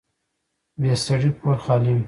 بې سړي کور خالي وي